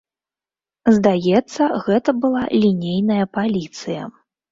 Здаецца, гэта была лінейная паліцыя.